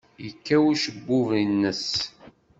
Yekkaw ucebbub-nnes.